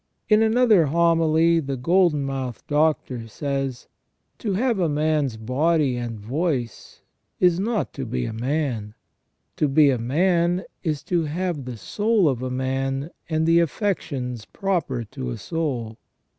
f In another homily the Golden mouthed Doctor says : To have a man's body and voice is not to be a man ; to be a man is to have the soul of a man and the affections proper to a soul.